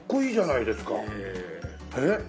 えっ？